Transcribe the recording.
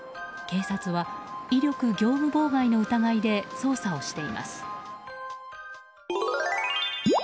警察は、威力業務妨害の疑いで捜査をしています。